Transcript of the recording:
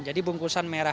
jadi bungkusan merah